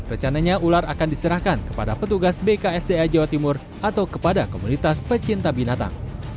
rencananya ular akan diserahkan kepada petugas bksda jawa timur atau kepada komunitas pecinta binatang